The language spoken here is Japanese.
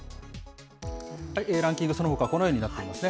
ランキング、そのほかこのようになっていますね。